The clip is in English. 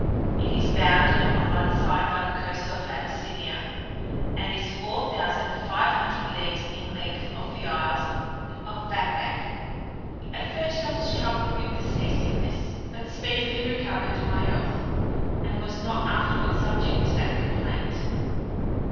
It is bounded on one side by the coasts of Abyssinia, and is 4,500 leagues in length to the isles of Vakvak. At first I was troubled with the sea sickness, but speedily recovered my health, and was not afterwards subject to that complaint.